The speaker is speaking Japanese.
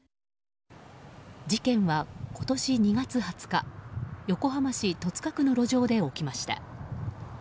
事件は今年２月２０日横浜市戸塚区の路上で起きました。